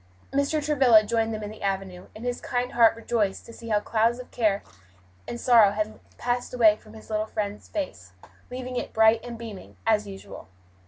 Mr. Travilla joined them in the avenue, and his kind heart rejoiced to see how the clouds of care and sorrow had all passed away from his little friend's face, leaving it bright and beaming, as usual.